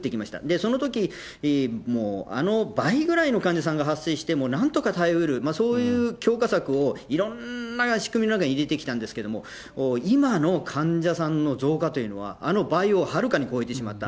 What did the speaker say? そのとき、もうあの倍ぐらいの患者さんが発生しても、なんとか耐えうる、そういう強化策をいろんな仕組みの中に入れてきたんですけれども、今の患者さんの増加というのは、あの倍をはるかに超えてしまった。